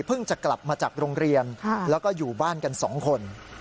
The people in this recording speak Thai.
จะกลับมาจากโรงเรียนแล้วก็อยู่บ้านกัน๒คน